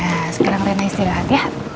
ya sekarang reina istirahat ya